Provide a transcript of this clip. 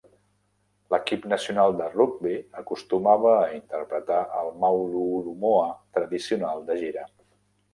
L'equip nacional de rugbi acostumava a interpretar el "Maulu'ulu Moa" tradicional de gira.